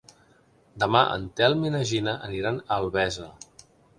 Demà en Telm i na Gina aniran a Albesa.